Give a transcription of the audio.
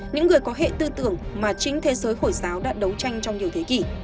những người có hệ tư tưởng mà chính thế giới hồi giáo đã đấu tranh trong nhiều thế kỷ